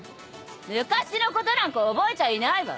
昔のことなんか覚えちゃいないわ。